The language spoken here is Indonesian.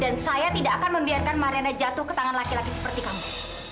dan saya tidak akan membiarkan mariana jatuh ke tangan laki laki seperti kamu